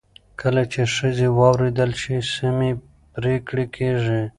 کله چې ښځې واورېدل شي، سمې پرېکړې کېږي.